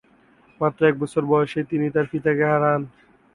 মাত্র এক বছর বয়সেই তিনি তার পিতাকে হারান।